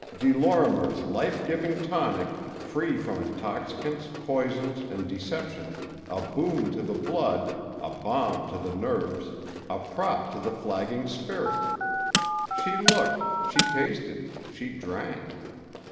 De Lorimer's Life Giving Tonic, free from intoxicants, poisons, and deception, a boon to the blood, a balm to the nerves, a prop to the flagging spirit.' She looked, she tasted, she drank.